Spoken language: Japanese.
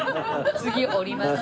次降ります。